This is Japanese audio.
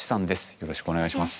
よろしくお願いします。